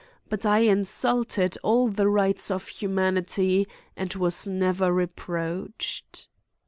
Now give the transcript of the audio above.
But I insulted all the rights of humanity, and was never reproached..